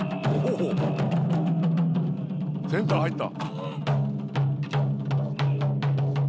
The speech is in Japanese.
センター入った。